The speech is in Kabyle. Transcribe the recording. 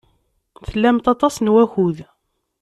Tlamt aṭas n wakud.